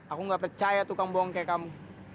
aku nggak percaya tukang bongke kamu